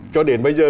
cho đến bây giờ